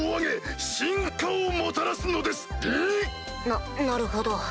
ななるほど。